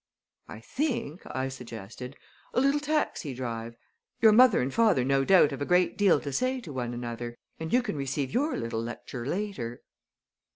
"I think," I suggested, "a little taxi drive Your mother and father no doubt have a great deal to say to one another, and you can receive your little lecture later."